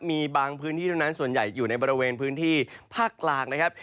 มีบางพื้นที่เท่านั้นส่วนใหญ่อยู่ในบริเวณพื้นที่ภาคกลางนะครับ